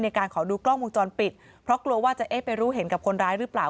ขอดูกล้องวงจรปิดเพราะกลัวว่าจะเอ๊ะไปรู้เห็นกับคนร้ายหรือเปล่า